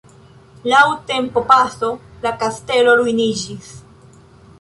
Laŭ tempopaso la kastelo ruiniĝis.